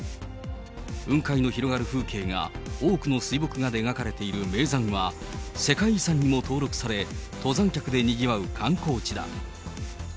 雲海の広がる風景が、多くの水墨画で描かれている名山は、世界遺産にも登録され、登山客でにぎわう観光地だ。